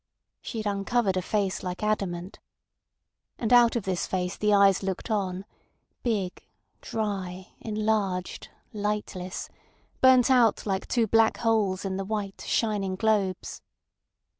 She had uncovered a face like adamant. And out of this face the eyes looked on, big, dry, enlarged, lightless, burnt out like two black holes in the white, shining globes.